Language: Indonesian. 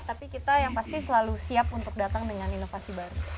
tapi kita yang pasti selalu siap untuk datang dengan inovasi baru